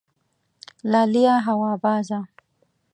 لالیه هوا بازه